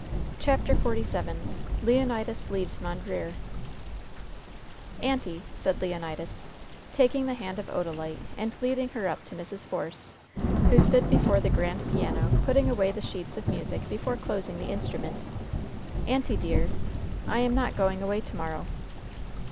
CHAPTER XLVII LEONIDAS LEAVES MONDREER "Aunty," said Leonidas, taking the hand of Odalite, and leading her up to Mrs. Force, who stood before the grand piano, putting away the sheets of music before closing the instrument "aunty, dear, I am not going away to morrow."